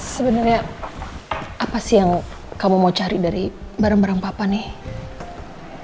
sebenarnya apa sih yang kamu mau cari dari barang barang papa nih